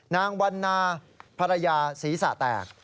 นางวันนาภรรยาศีรษะแตก